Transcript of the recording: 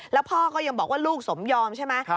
แล้วพ่อก็ยังบอกว่าลูกสมยอมใช่ไหม